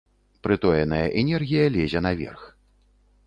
Прытоеная энергія лезе наверх.